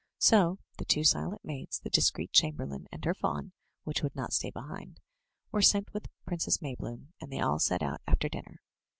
So the two silent maids, the discreet chamberlain, and her fawn, which would not stay behind, were sent with Princess Maybloom, and they all set out after dinner.